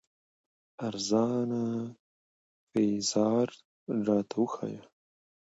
ارزان پېزار راته وښايه